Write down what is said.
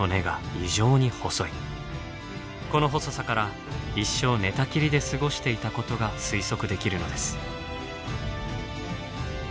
この細さから一生寝たきりで過ごしていたことが推測できるのです。